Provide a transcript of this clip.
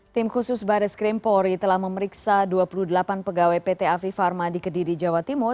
tim khusus baris krimpori telah memeriksa dua puluh delapan pegawai pt afifarma di kediri jawa timur